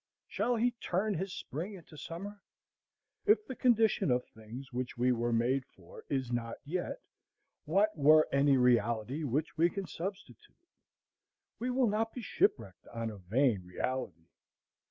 Shall he turn his spring into summer? If the condition of things which we were made for is not yet, what were any reality which we can substitute? We will not be shipwrecked on a vain reality.